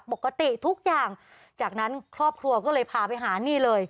ปกติทุกอย่างจากนั้นครอบครัวก็เลยพาไปหานี่เลย